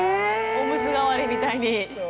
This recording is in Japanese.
おむつ代わりみたいにして。